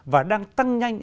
và đang tăng nhanh